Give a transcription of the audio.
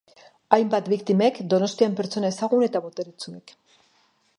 Hainbat biktimek Donostian pertsona ezagun eta boteretsuek.